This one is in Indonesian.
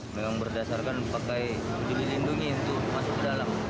memang berdasarkan pakai peduli lindungi untuk masuk ke dalam